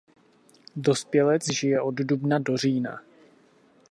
Dospělec žije od dubna do října.